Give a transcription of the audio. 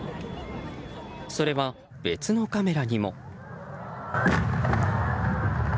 それは別のカメラにも。